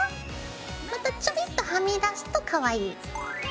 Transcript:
またちょびっとはみ出すとかわいい。